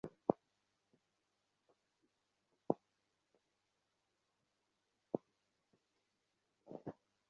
সেদিন সভা বসিয়াছে।